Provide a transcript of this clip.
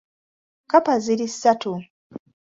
Kkapa ziri ssatu .